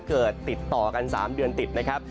ติดต่อติดต่อกัน๓เดือนติดนะครับ